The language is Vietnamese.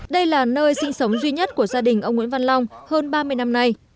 đây là nơi sinh sống duy nhất của gia đình ông nguyễn văn long hơn ba mươi năm nay